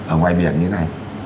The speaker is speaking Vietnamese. ở ngoài biển như thế này